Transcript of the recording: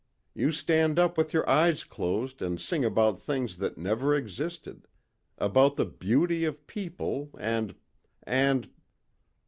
You stand up with your eyes closed and sing about things that never existed about the beauty of people and ... and...."